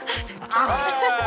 あっ！